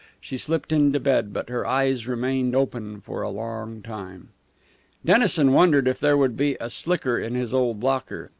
She slipped into bed, but her eyes remained open for a long time. Dennison wondered if there would be a slicker in his old locker.